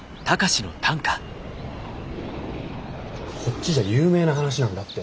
こっちじゃ有名な話なんだって。